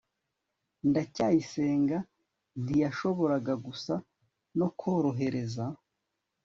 ndacyayisenga ntiyashoboraga gusa no korohereza